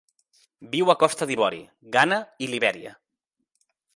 Viu a Costa d'Ivori, Ghana i Libèria.